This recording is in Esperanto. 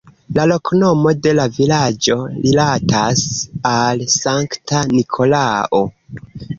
La loknomo de la vilaĝo rilatas al sankta Nikolao.